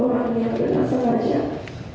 orang yang berasa rajak